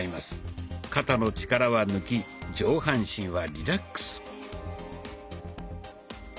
肩の力は抜き上半身はリラックス。